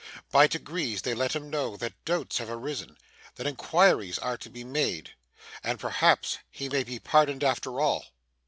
By degrees they let him know that doubts have arisen, that inquiries are to be made, and perhaps he may be pardoned after all.